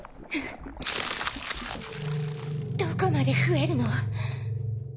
どこまで増えるの？